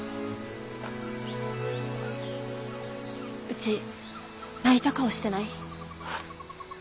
うち泣いた顔してない？